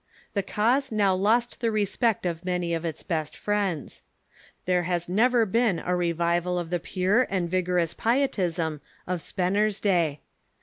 Tbe cause now lost tbe respect of many of its best friends. There has never been a revival of the pure and vigorous Pie tism of Spener's day.